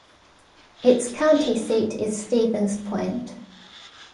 Its county seat is Stevens Point.